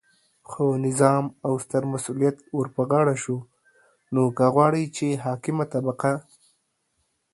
خو نظام او ستر مسؤلیت ورپه غاړه شو، نو که غواړئ چې حاکمه طبقه